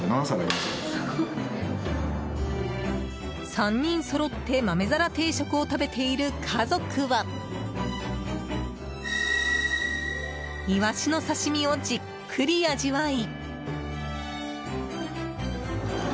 ３人そろって豆皿定食を食べている家族はイワシの刺し身をじっくり味わい。